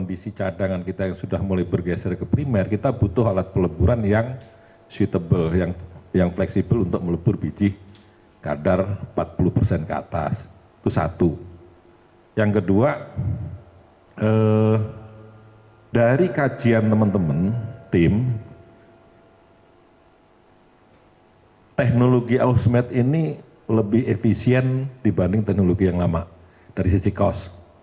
ini lebih efisien dibanding teknologi yang lama dari sisi cost